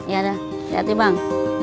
ya udah siap siap bang